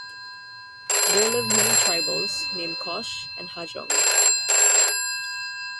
There lived many tribals named Koch and Hajong.